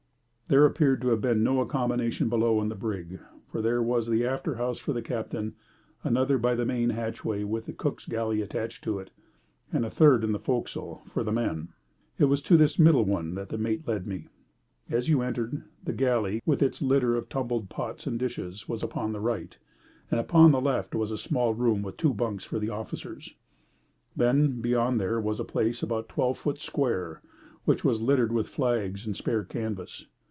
There appeared to have been no accommodation below in the brig, for there was the after house for the captain, another by the main hatchway, with the cook's galley attached to it, and a third in the forecastle for the men. It was to this middle one that the mate led me. As you entered, the galley, with its litter of tumbled pots and dishes, was upon the right, and upon the left was a small room with two bunks for the officers. Then beyond there was a place about 12ft. square, which was littered with flags and spare canvas.